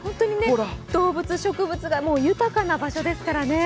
動物、植物が豊かな場所ですからね。